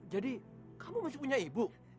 jadi kamu masih punya ibu